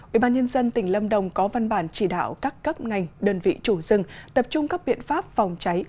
ủy ban nhân dân tỉnh lâm đồng có văn bản chỉ đạo các cấp ngành đơn vị chủ rừng tập trung các biện pháp phòng cháy